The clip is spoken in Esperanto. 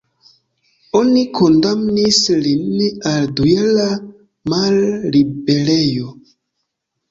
Oni kondamnis lin al dujara malliberejo.